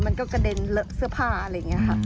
มันก็กระเด็นเลอะเสื้อผ้าอะไรอย่างนี้ค่ะ